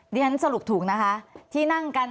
เรียนสรุปถูกนะคะที่นั่งกัน